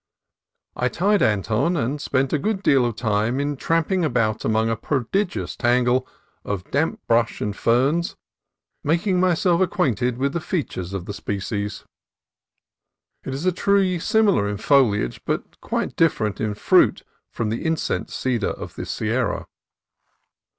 I tied Anton, and spent a good deal of time in tramping about among a prodigious tangle of damp brush and ferns, mak ing myself acquainted with the features of the spe cies. It is a tree similar in foliage but quite different in fruit from the incense cedar of the Sierra.